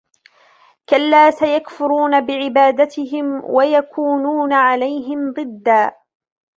كلا سيكفرون بعبادتهم ويكونون عليهم ضدا